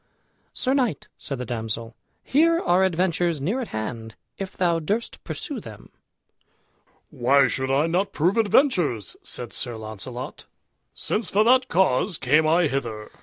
"Sir knight," said the damsel, "here are adventures near at hand, if thou durst pursue them." "Why should I not prove adventures?" said Sir Launcelot, "since for that cause came I hither."